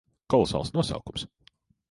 Kolosāls nosaukums.